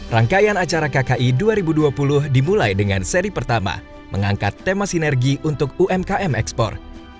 rangkaian acara kki dua ribu dua puluh dimulai dengan seri pertama mengangkat tema sinergi untuk umkm ekspor